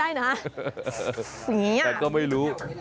เอาล่ะเดินทางมาถึงในช่วงไฮไลท์ของตลอดกินในวันนี้แล้วนะครับ